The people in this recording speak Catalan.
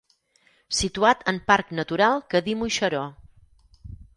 Situat en parc natural Cadí-Moixeró.